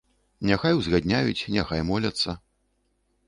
Няхай узгадняюць, няхай моляцца.